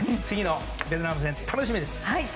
次のベトナム戦、楽しみです。